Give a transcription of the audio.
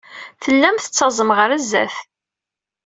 Tellam tettaẓem ɣer sdat.